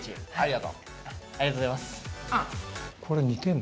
ありがとうございます。